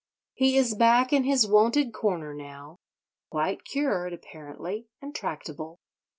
He is back in his wonted corner now: quite cured, apparently, and tractable.